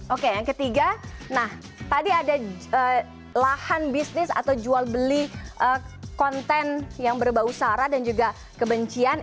oke yang ketiga nah tadi ada lahan bisnis atau jual beli konten yang berbau sara dan juga kebencian